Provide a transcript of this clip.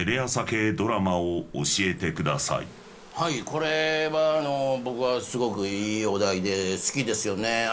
これは僕はすごくいいお題で好きですよね。